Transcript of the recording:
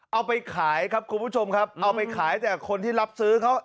เอาไปขายครับคุณผู้ชมครับเอาไปขายแต่คนที่รับซื้อเขา